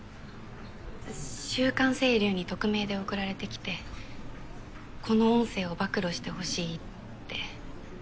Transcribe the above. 週刊星流に匿名で送られてきてこの音声を暴露してほしいって。